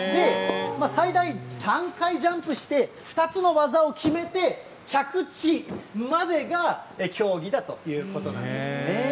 最大３回ジャンプして、２つの技を決めて、着地までが競技だということなんですね。